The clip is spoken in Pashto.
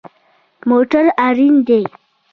موټر اړین دی